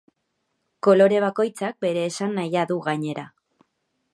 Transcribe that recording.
Kolore bakoitzak bere esanahia du gainera.